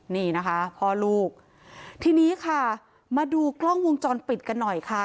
นี่นะคะพ่อลูกทีนี้ค่ะมาดูกล้องวงจรปิดกันหน่อยค่ะ